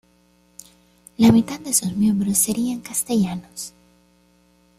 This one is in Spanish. La mitad de sus miembros serían castellanos.